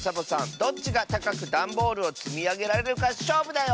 どっちがたかくだんボールをつみあげられるかしょうぶだよ！